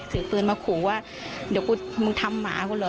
ถือปืนมาขู่ว่าเดี๋ยวกูมึงทำหมากูเหรอ